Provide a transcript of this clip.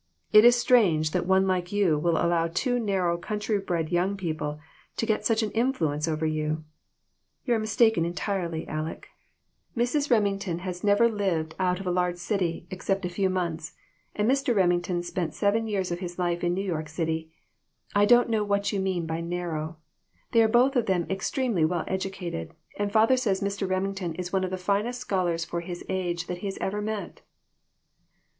" It is strange that one like you will allow two narrow, countrybred young people to get such an influence over you." "You are mistaken entirely, Aleck; Mrs. Rem THIS WORLD, AND THE OTHER ONE. 233 ington has never lived out of a large city, except a few months, and Mr. Remington spent seven years of his life in New York City. I don't know what you mean by narrow. They are both of them extremely well educated, and father says Mr. Remington is one of the finest scholars for his age that he has ever met."